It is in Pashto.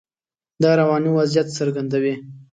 دا رواني وضعیت څرګندوي.